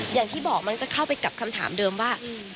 อย่างที่บอกมันจะเข้าไปกับคำถามเดิมว่า